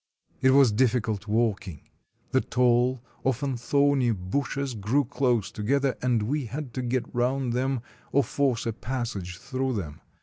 It was difficult walking; the tall, often thorny, bushes 212 THE TAKING OF THE VILLAGE grew close together, and we had to get round them or force a passage through them.